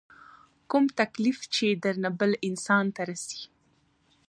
کوم تکليف چې درنه بل انسان ته رسي